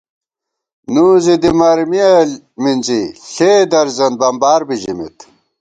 نُو ضدِمرمیہ منزی ، ݪے درزن بمبار بی ژمېت